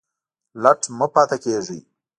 لټ مه پاته کیږئ